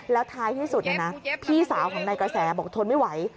แล้วท้ายที่สุดพี่สาวของนายกระแสบอกทนไม่ไหว